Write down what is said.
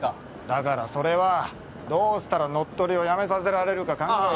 だからそれはどうしたら乗っ取りをやめさせられるか考えてた。